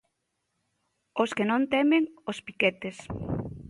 Os que non temen os piquetes.